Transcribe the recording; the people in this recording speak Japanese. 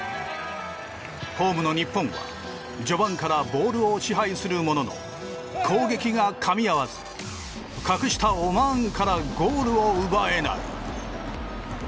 ホームの日本は序盤からボールを支配するものの攻撃がかみ合わず格下オマーンからゴールを奪えない。